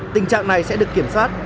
tình trạng này sẽ được kiểm soát